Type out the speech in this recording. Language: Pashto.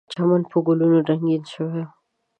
چمن په ګلونو رنګین شوی و.